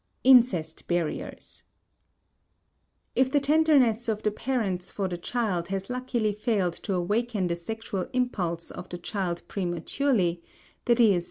*Incest Barriers.* If the tenderness of the parents for the child has luckily failed to awaken the sexual impulse of the child prematurely, _i.e.